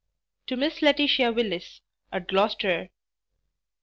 To Miss LAETITIA WILLIS, at Gloucester.